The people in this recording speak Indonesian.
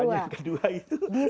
pertanyaan kedua itu